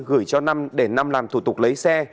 gửi cho năm để năm làm thủ tục lấy xe